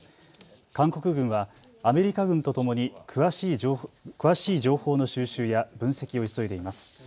韓国軍はアメリカ軍とともに詳しい情報の収集や分析を急いでいます。